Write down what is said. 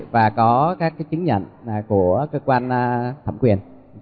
và có các chứng nhận của cơ quan thẩm quyền